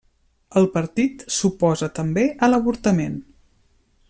El partit s'oposa també a l'avortament.